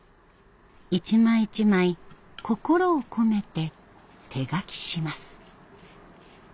一枚一枚心を込めて手書きします。